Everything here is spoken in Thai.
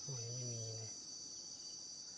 เวียนหัวไม่มาหรอกลูกไม่มาหรอก